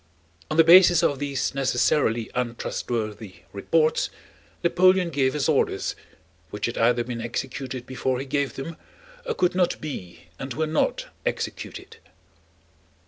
On the basis of these necessarily untrustworthy reports Napoleon gave his orders, which had either been executed before he gave them or could not be and were not executed.